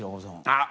あっ！